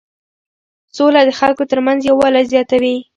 سوله د خلکو ترمنځ یووالی زیاتوي.